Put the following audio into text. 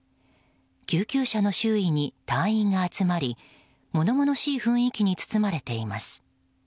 救急車の周囲に隊員が集まりものものしい雰囲気に包まれています。